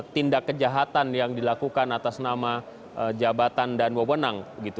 tindak kejahatan yang dilakukan atas nama jabatan dan wewenang